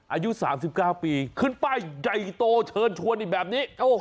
อายุ๓๙ปีขึ้นไปใดโตเชิญชวนแบบนี้